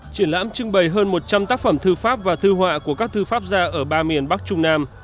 triển lãm trưng bày hơn một trăm linh tác phẩm thư pháp và thư họa của các thư pháp gia ở ba miền bắc trung nam